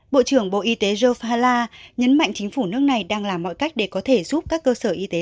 bộ trưởng bộ y tế jofala nhấn mạnh chính phủ nước này đang làm mọi cách để có thể giúp các cơ sở y tế